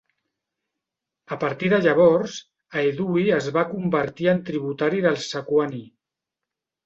A partir de llavors, Aedui es va convertir en tributari dels Sequani.